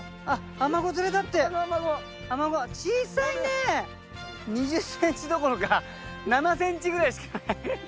・アマゴアマゴ・２０ｃｍどころか７ｃｍぐらいしかない。